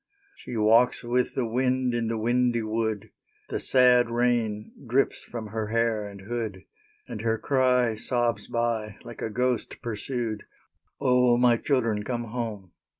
She walks with the wind in the windy wood; The sad rain drips from her hair and hood, And her cry sobs by, like a ghost pursued, "O, my children, come home!"